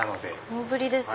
大ぶりですね。